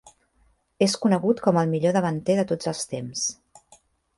És conegut com el millor davanter de tots el temps.